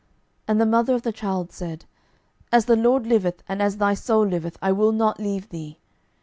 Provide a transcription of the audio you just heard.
12:004:030 And the mother of the child said, As the LORD liveth, and as thy soul liveth, I will not leave thee.